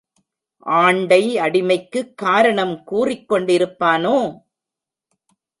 ஆண்டை, அடிமைக்குக் காரணம் கூறிக் கொண்டிருப்பானோ?